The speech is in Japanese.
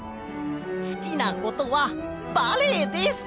すきなことはバレエです。